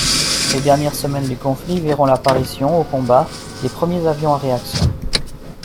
Les dernières semaines du conflit verront l'apparition, au combat, des premiers avions à réaction.